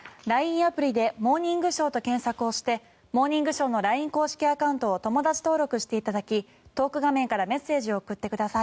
アプリで「モーニングショー」と検索をして「モーニングショー」のＬＩＮＥ公式アカウントを友だち登録していただきトーク画面からメッセージを送ってください。